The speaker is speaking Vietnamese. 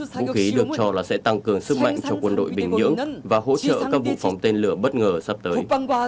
vũ khí được cho là sẽ tăng cường sức mạnh cho quân đội bình nhưỡng và hỗ trợ các vụ phóng tên lửa bất ngờ sắp tới